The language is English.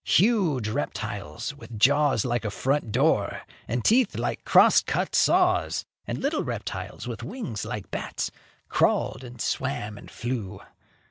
Huge reptiles with jaws like a front door, and teeth like cross cut saws, and little reptiles with wings like bats, crawled and swam and flew.